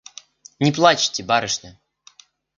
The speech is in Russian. Не плачьте, барышня!